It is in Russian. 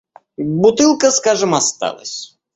Бутылка, скажем, осталась.